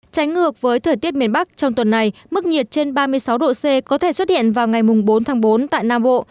tránh ngược với thời tiết miền bắc trong tuần này mức nhiệt trên ba mươi sáu độ c có thể xuất hiện vào ngày bốn tháng bốn tại nam bộ